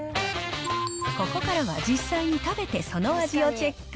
ここからは実際に食べてその味をチェック。